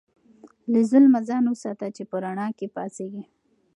له ظلمه ځان وساته چې په رڼا کې پاڅېږې.